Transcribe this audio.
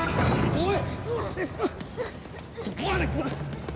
おい！